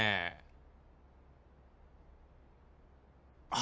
あ。